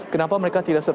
kenapa mereka tidak serta